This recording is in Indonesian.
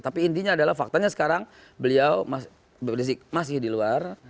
tapi intinya adalah faktanya sekarang beliau masih di luar